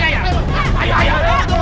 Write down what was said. raja diperkosa tolong